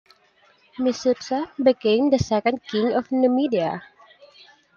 Micipsa became the second king of Numidia.